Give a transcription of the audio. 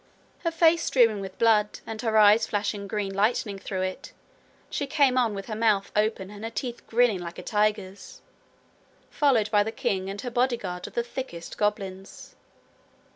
Her face streaming with blood, and her eyes flashing green lightning through it, she came on with her mouth open and her teeth grinning like a tiger's, followed by the king and her bodyguard of the thickest goblins.